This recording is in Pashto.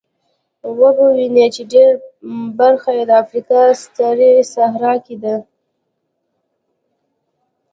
وبه وینئ چې ډېره برخه یې د افریقا سترې صحرا کې ده.